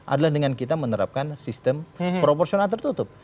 adalah dengan kita menerapkan sistem proporsional tertutup